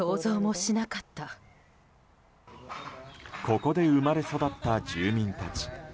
ここで生まれ育った住民たち。